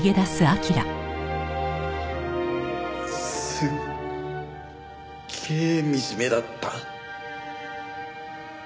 すっげえ惨めだった。